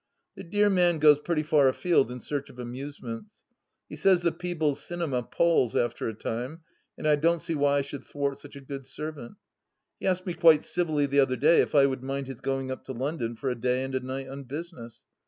The dear man goes pretty far afield in search of amusements ; he says the Peebles cinema palls after a time, and I don't see why I should thwart such a good servant. He asked me quite civilly the other day if I would mind his going up to London for a day and a night on business.